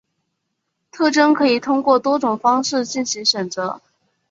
特征可以通过多种方法进行选择。